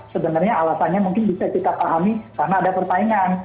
sebenarnya alasannya mungkin bisa kita pahami karena ada persaingan